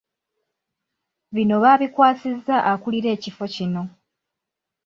Bino baabikwasizza akulira ekifo kino .